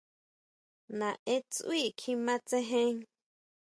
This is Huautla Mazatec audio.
Nae Tsui kjima tsejen.